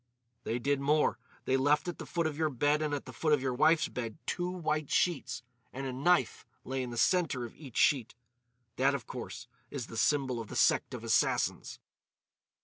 "They did more. They left at the foot of your bed and at the foot of your wife's bed two white sheets. And a knife lay in the centre of each sheet. That, of course, is the symbol of the Sect of Assassins."